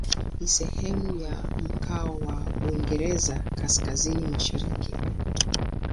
Ni sehemu ya mkoa wa Uingereza Kaskazini-Mashariki.